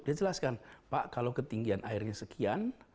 dia jelaskan pak kalau ketinggian airnya sekian